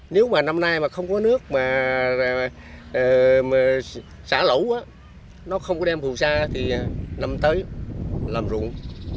nếu mà năm nay mà không có nước mà xả lũ nó không có đem phù sa thì năm tới làm ruộng